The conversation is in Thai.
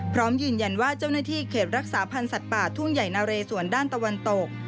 พร้อมยืนยันว่าเจ้าหน้าที่เขตรักษาพันธ์สัตว์ป่าทุ่งใหญ่นาเรสวนด้านตะวันตก